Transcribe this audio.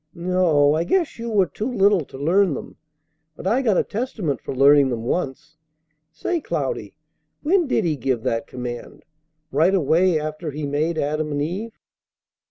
No, I guess you were too little to learn them. But I got a Testament for learning them once. Say, Cloudy, when did He give that command? Right away after He made Adam and Eve?"